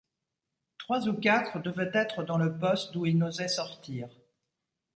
Trois ou quatre devaient être dans le poste d’où ils n’osaient sortir...